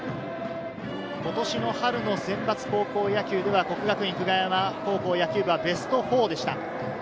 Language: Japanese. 今年の春の選抜高校野球では國學院久我山、野球部はベスト４でした。